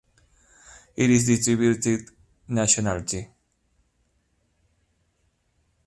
It is distributed nationally.